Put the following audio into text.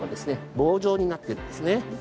棒状になっているんですね。